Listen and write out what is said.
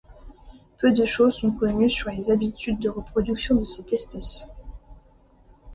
Peu de choses sont connues sur les habitudes de reproduction de cette espèce.